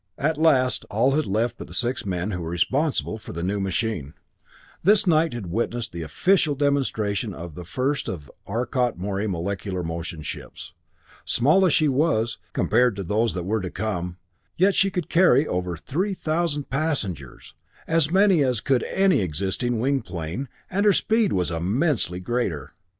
At last all had left but the six men who were responsible for the new machine. This night had witnessed the official demonstration of the first of the Arcot Morey molecular motion ships. Small as she was, compared to those that were to come, yet she could carry over three thousand passengers, as many as could any existing winged plane, and her speed was immensely greater.